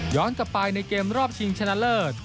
กลับไปในเกมรอบชิงชนะเลิศ